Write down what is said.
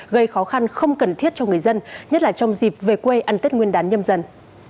gây khó khăn không cần thiết cho người dân nhất là trong dịp về quê ăn tết nguyên đán nhâm dần